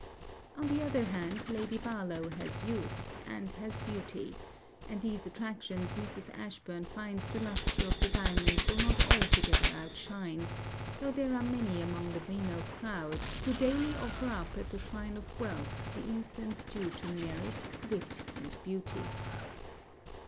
On the other hand, Lady Barlowe has youth, and has beauty; and these attractions Mrs. Ashburn finds the lustre of the diamond will not altogether outshine, though there are many among the venal crowd, who daily offer up at the shrine of wealth the incense due to merit, wit, and beauty.